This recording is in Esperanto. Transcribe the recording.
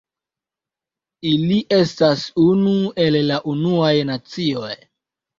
Ili estas unu el la Unuaj Nacioj.